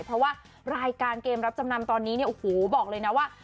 เพราะว่ารายการเกมรับจำนำตอนนี้เนี่ยโอ้โหบอกเลยนะว่า